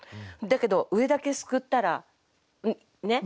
だけど上だけ掬ったらね？